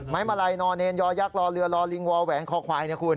มาลัยนอเนนยอยักษรอเรือรอลิงวอแหวนคอควายนะคุณ